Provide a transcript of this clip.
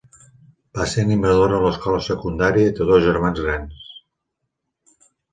Va ser animadora a l'escola secundària i té dos germans grans.